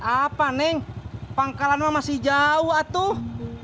deket apa neng pangkalannya masih jauh tuh